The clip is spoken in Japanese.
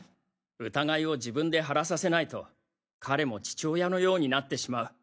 疑いを自分で晴らさせないと彼も父親のようになってしまう。